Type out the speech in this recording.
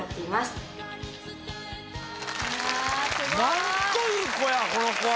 何という子やこの子は。